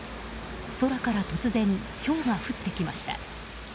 空から突然ひょうが降ってきました。